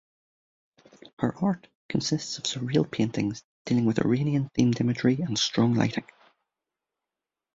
Her art consists of surreal paintings dealing with Iranian themed imagery and strong lighting.